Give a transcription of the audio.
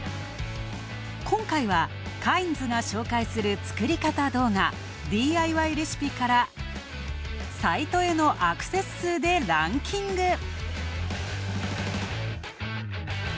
今回は、カインズが紹介する作り方動画、ＤＩＹレシピから、サイトへのアクセス数でランキング。